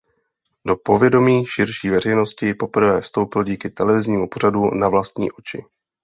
Do povědomí širší veřejnosti poprvé vstoupil díky televiznímu pořadu "Na vlastní oči".